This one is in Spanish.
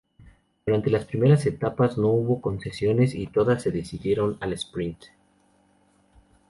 Durante las primeras etapas no hubo concesiones y todas se decidieron al sprint.